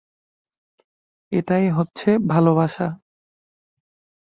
এটাই হচ্ছে ভালোবাসা!